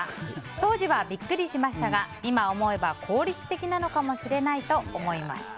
当時は、ビックリしましたが今思えば、効率的なのかもしれないと思いました。